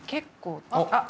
あっ。